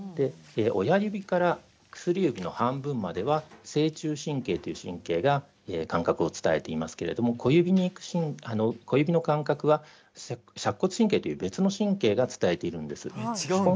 親指から薬指の半分までは「正中神経」という神経が感覚を伝えていますけれども小指の感覚は「尺骨神経」という別の神経が伝えているんです。